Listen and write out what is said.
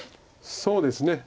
そうですね。